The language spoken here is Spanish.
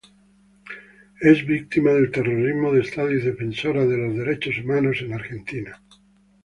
Es víctima del Terrorismo de Estado y defensora de los Derechos Humanos en Argentina.